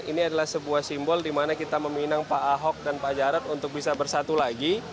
ini adalah sebuah simbol dimana kita meminang pak ahok dan pak jarod untuk bisa bersatu lagi